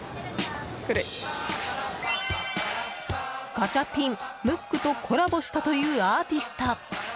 ガチャピン、ムックとコラボしたというアーティスト！